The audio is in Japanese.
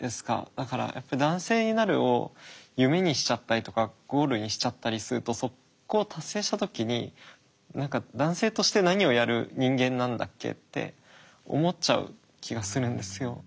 だからやっぱり男性になるを夢にしちゃったりとかゴールにしちゃったりするとそこを達成した時に男性として何をやる人間なんだっけって思っちゃう気がするんですよ。